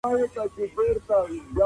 که غړي روغ وي نو ټول بدن به روغ وي.